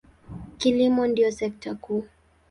Kilimo ndiyo sekta kuu.